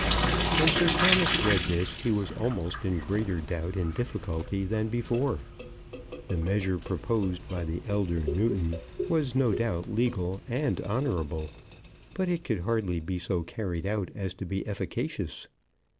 When Sir Thomas read this he was almost in greater doubt and difficulty than before. The measure proposed by the elder Newton was no doubt legal and honourable, but it could hardly be so carried out as to be efficacious.